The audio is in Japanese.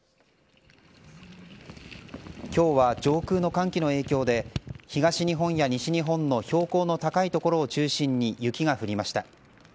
今日は、上空の寒気の影響で東日本や西日本の標高の高い所を中心に雪が降りました。